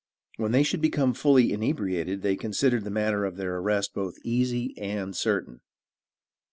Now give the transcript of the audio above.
When they should become fully inebriated they considered the matter of their arrest both easy and certain.